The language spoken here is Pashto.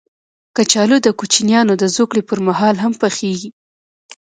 کچالو د کوچنیانو د زوکړې پر مهال هم پخېږي